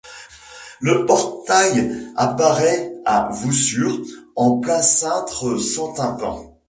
Le portail apparaît à voussure en plein cintre sans tympan.